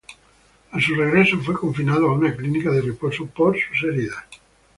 A su regreso, fue confinado a una clínica de reposo por sus heridas.